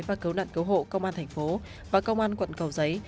và cấu nạn cấu hộ công an tp và công an quận cầu giấy